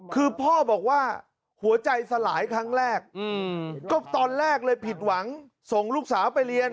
คือพ่อบอกว่าหัวใจสลายครั้งแรกก็ตอนแรกเลยผิดหวังส่งลูกสาวไปเรียน